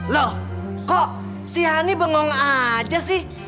loh kok si hani bengong aja sih